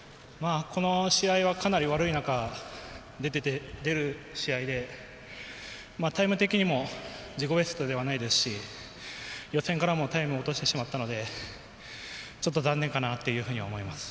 この試合はかなり悪い中出る試合で、タイム的にも自己ベストではないですし予選からもタイムを落としてしまったのでちょっと残念かなというふうに思います。